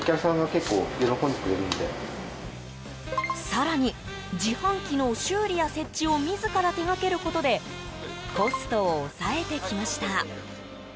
更に、自販機の修理や設置を自ら手掛けることでコストを抑えてきました。